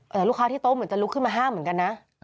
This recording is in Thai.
แต่ลูกค้าที่โต๊ะเหมือนจะลุกขึ้นมาห้ามเหมือนกันนะ